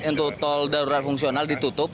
untuk tol darurat fungsional ditutup